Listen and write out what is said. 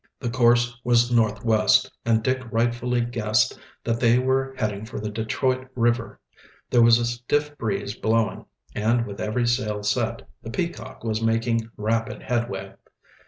The course was northwest, and Dick rightfully guessed that they were heading for the Detroit River. There was a stiff breeze blowing and, with every sail set, the Peacock was making rapid headway.